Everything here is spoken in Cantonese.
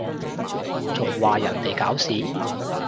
仲話人哋搞事？